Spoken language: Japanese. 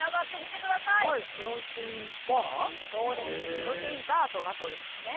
プロテインバーとなっておりますね